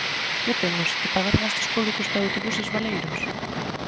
¿Que temos, que pagar gastos públicos para autobuses baleiros?